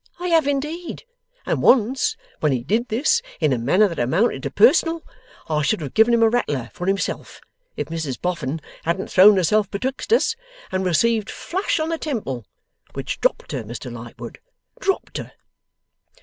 I have indeed. And once, when he did this in a manner that amounted to personal, I should have given him a rattler for himself, if Mrs Boffin hadn't thrown herself betwixt us, and received flush on the temple. Which dropped her, Mr Lightwood. Dropped her.